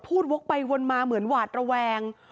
วกไปวนมาเหมือนหวาดระแวง